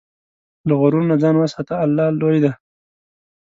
له غرور نه ځان وساته، الله لوی دی.